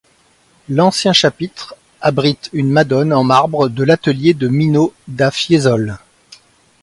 L'ancien chapitre abrite une Madone en marbre de l'atelier de Mino da Fiesole.